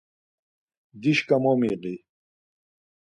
Dişǩa momiği.